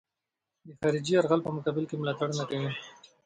د خارجي یرغلګر په مقابل کې ملاتړ نه کوي.